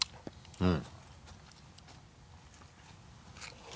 うん。